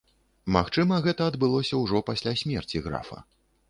Магчыма, гэта адбылося ўжо пасля смерці графа.